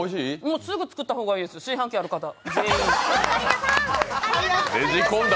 すぐ作った方がいいです、炊飯器ある方は。